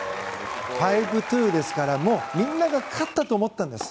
５−２ですからもう、みんなが勝ったと思ったんです